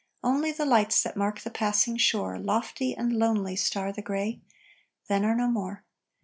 Only the lights that mark the passing shore, Lofty and lonely star the gray Then are no more.